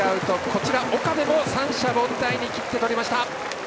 こちら、岡部も三者凡退に切って取りました。